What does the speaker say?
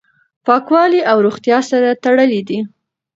پاکوالی او روغتیا سره تړلي دي.